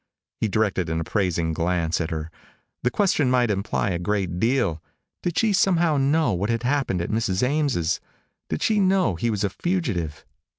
He directed an appraising glance at her. The question might imply a great deal. Did she somehow know what had happened at Mrs. Ames'? Did she know he was a fugitive?